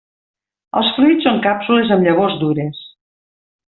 Els fruits són càpsules amb llavors dures.